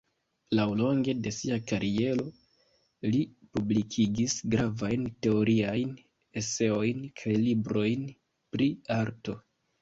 Laŭlonge de sia kariero li publikigis gravajn teoriajn eseojn kaj librojn pri arto.